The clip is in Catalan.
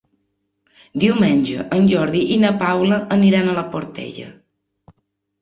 Diumenge en Jordi i na Paula aniran a la Portella.